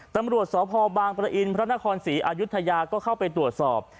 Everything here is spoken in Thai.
ตำรวจสพบางประอินพระนครศรีอายุทยาก็เข้าไปตรวจสอบ